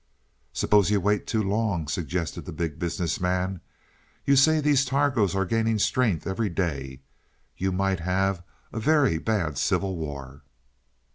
"Suppose you wait too long," suggested the Big Business Man. "You say these Targos are gaining strength every day. You might have a very bad civil war."